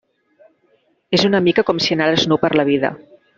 És una mica com si anares nu per la vida.